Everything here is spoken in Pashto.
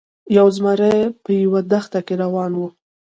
یو زمری په یوه دښته کې روان و.